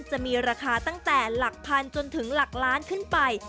จะมีราคาตั้งแต่หลักพันจนถึงหลักล้านขึ้นไป